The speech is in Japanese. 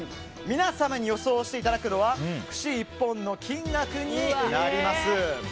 皆様に予想していただくのは串１本の金額になります。